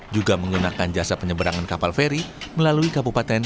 juga menggunakan jasa penyeberangan kapal feri melalui kabupaten